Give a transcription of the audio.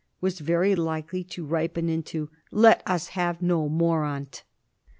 was very likely to ripen into "Let us have no more on't!"